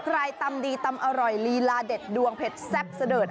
ตำดีตำอร่อยลีลาเด็ดดวงเผ็ดแซ่บเสดิร์ด